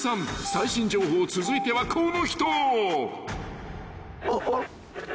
最新情報続いてはこの人］